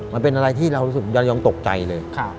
มันเป็นอะไรที่เรารู้สึกเรายังตกใจเลย